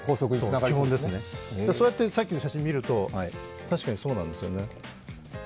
そうやってさっきの写真見ると、確かにそうなんですね。